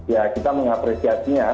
ya kita mengapresiasinya